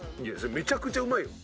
「めちゃくちゃうまいよ」